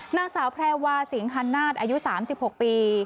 หน้าสาวแพรวาสิงหานาศอายุ๓๖ปี